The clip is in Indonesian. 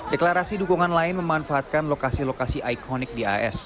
deklarasi dukungan lain memanfaatkan lokasi lokasi ikonik di as